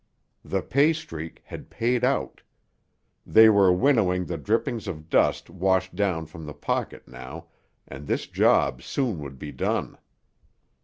The pay streak had paid out. They were winnowing the drippings of dust washed down from the pocket now, and this job soon would be done.